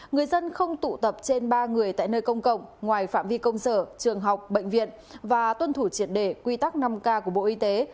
người dân không tụ tập trên ba người tại nơi công cộng ngoài phạm vi công sở trường học bệnh viện và tuân thủ triệt đề quy tắc năm k của bộ y tế